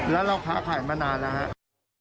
แล้วเราค้าขายมานานแล้วครับ